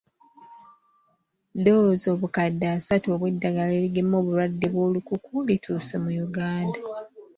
Ddoozi obukadde asatu obw'eddagala erigema obulwadde bw'olukuku lituuse mu Uganda.